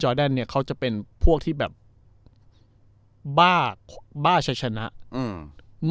แดนเนี้ยเขาจะเป็นพวกที่แบบบ้าบ้าจะชนะอืม